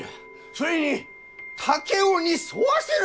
それに竹雄に添わせるじゃと！？